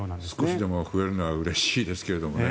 少しでも増えるのはうれしいですけどね。